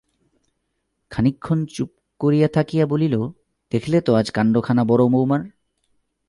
খানিকক্ষণ চুপ করিয়া থাকিয়া বলিল, দেখলে তো আজ কাণ্ডখানা বড়-বৌমার?